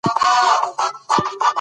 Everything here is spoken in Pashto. د علمي موادو اشتراک پرمختګ دی.